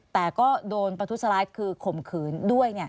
แต่ก็โดนประทุษร้ายคือข่มขืนด้วย